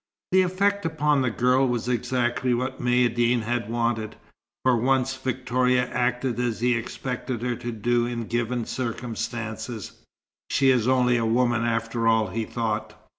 The effect upon the girl was exactly what Maïeddine had wanted. For once Victoria acted as he expected her to do in given circumstances. "She is only a woman after all," he thought.